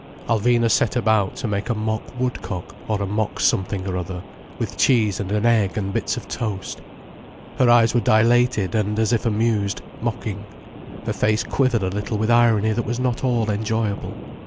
Alvina set about to make a mock woodcock, or a mock something or other, with cheese and an egg and bits of toast. Her eyes were dilated and as if amused, mocking, her face quivered a little with irony that was not all enjoyable.